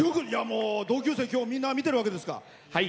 同級生今日、みんな見てるわけですか。